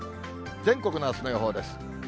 全国のあすの予報です。